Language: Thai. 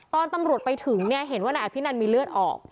ตอนตำรวจไปถึงเนี่ยเห็นว่านายอภินันมีเลือดออก